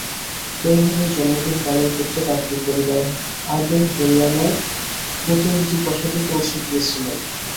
তৈমুরের জন্মদিন পালন করতে কাপুর পরিবার আগেই হরিয়ানায় পতৌদি প্রাসাদে পৌঁছে গিয়েছিলেন।